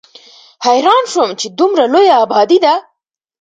حېران شوم چې دومره لويه ابادي ده